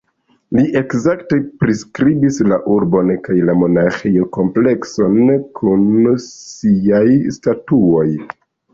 Li ekzakte priskribis la urbon kaj la monaĥejo-komplekson kun siaj statuoj.